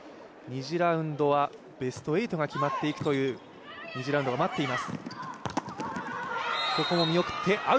２次ラウンドはベスト８が決まっていくという２次ラウンドが待っています。